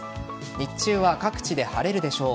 日中は各地で晴れるでしょう。